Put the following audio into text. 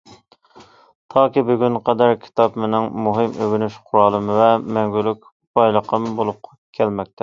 تاكى بۈگۈنگە قەدەر كىتاب مېنىڭ مۇھىم ئۆگىنىش قورالىم ۋە مەڭگۈلۈك بايلىقىم بولۇپ كەلمەكتە.